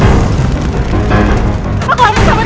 ya pak makasih ya pak